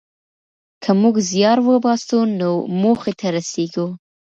که موږ زیار وباسو نو موخې ته رسېږو.